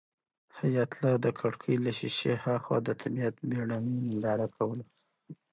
حیات الله د کړکۍ له شیشې هاخوا د طبیعت بېړنۍ ننداره کوله.